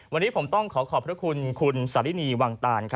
วันนี้ผมต้องขอขอบพระคุณคุณสารินีวังตาน